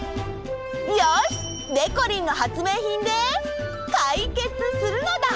よし！でこりんの発明品でかいけつするのだ！